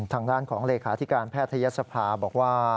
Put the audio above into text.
ทางด้านของเลขาธิการแพทยศภาบอกว่า